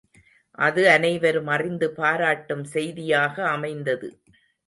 அது அனைவரும் அறிந்து பாராட்டும் செய்தியாக அமைந்தது.